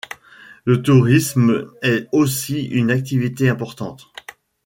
Le tourisme est aussi une activité importante.